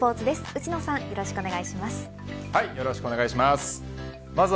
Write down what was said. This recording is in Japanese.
内野さんよろしくお願いします。